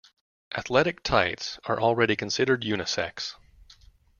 Athletic tights are already considered unisex.